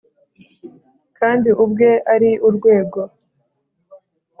kandi ubwe ari urwego,